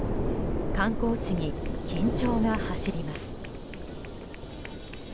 観光地に緊張が走ります。